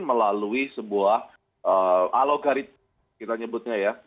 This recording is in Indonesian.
melalui sebuah alogaritma kita sebutnya ya